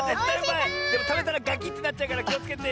でもたべたらガキッてなっちゃうからきをつけてよ。